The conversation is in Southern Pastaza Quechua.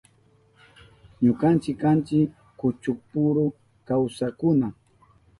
Ñukanchi kanchi kuchupuru kawsakkuna.